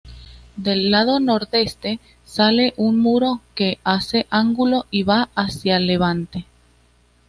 Del lado nordeste sale un muro, que hace ángulo y va hacia levante.